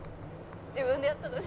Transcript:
「自分でやったのに」